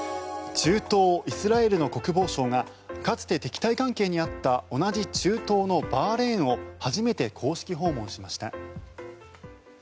中東イスラエルの国防相がかつて敵対関係にあった同じ中東のバーレーンを初めて公式訪問しました。